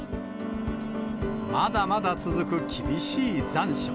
まだまだ続く厳しい残暑。